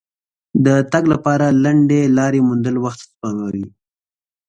د تګ لپاره لنډې لارې موندل وخت سپموي.